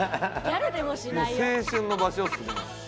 青春の場所っすね。